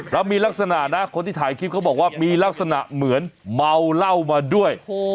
แล้วมีลักษณะนะคนที่ถ่ายคลิปเขาบอกว่ามีลักษณะเหมือนเมาเหล้ามาด้วย